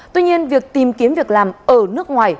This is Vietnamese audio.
tuy nhiên việc tìm kiếm việc làm ở nước ngoài